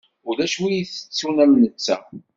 Ulac wi itettun am netta.